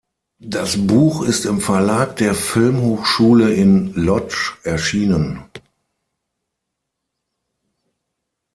Das Buch ist im Verlag der Filmhochschule in Lodz erschienen.